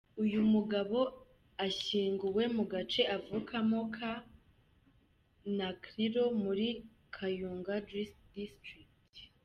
Uyu mugabo ashyinguwe mu gace avukamo ka Naklilo muri Kayunga District.